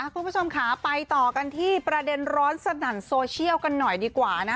คุณผู้ชมค่ะไปต่อกันที่ประเด็นร้อนสนั่นโซเชียลกันหน่อยดีกว่า